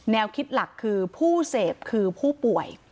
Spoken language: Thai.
คิดหลักคือผู้เสพคือผู้ป่วย